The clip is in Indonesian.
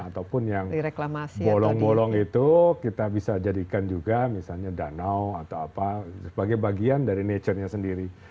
ataupun yang bolong bolong itu kita bisa jadikan juga misalnya danau atau apa sebagai bagian dari nature nya sendiri